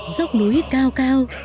dốc núi cao cao